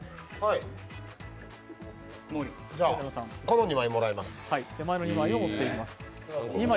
この２枚もらいます。